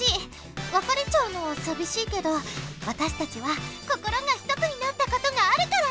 わかれちゃうのはさびしいけどわたしたちは心が一つになったことがあるから。